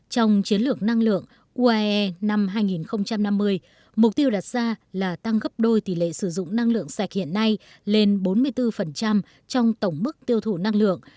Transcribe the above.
trong chiến lược năng lượng uae năm hai nghìn năm mươi mục tiêu đặt ra là tăng gấp đôi tỷ lệ sử dụng năng lượng sạch hiện nay lên bốn mươi bốn trong tổng mức tiêu thụ năng lượng